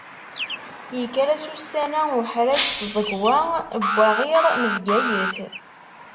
Yekker-as ussan-a uḥraz n tẓegwa n waɣir n Bgayet.